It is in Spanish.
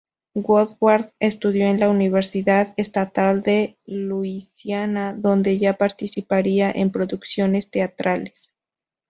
Woodward estudió en la Universidad Estatal de Luisiana, donde ya participaría en producciones teatrales.